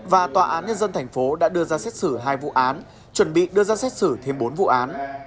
và tòa án nhân dân thành phố đã đưa ra xét xử hai vụ án chuẩn bị đưa ra xét xử thêm bốn vụ án